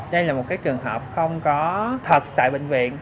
đây là một trường hợp không có thật tại bệnh viện